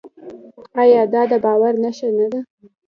آیا دا د باور نښه نه ده؟